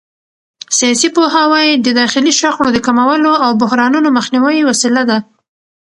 سیاسي پوهاوی د داخلي شخړو د کمولو او بحرانونو مخنیوي وسیله ده